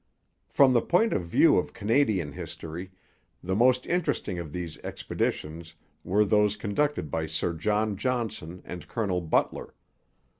From the point of view of Canadian history, the most interesting of these expeditions were those conducted by Sir John Johnson and Colonel Butler.